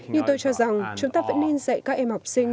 nhưng tôi cho rằng chúng ta vẫn nên dạy các em học sinh